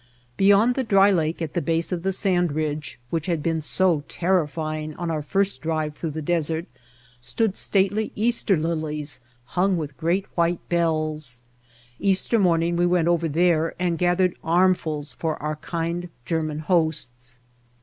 Beyond the dry lake at the base of the sand ridge which had been so terrifying on our first drive through the desert stood stately Easter lilies hung with great white bells. Easter morning we went over there and gathered armfuls for our kind German hosts.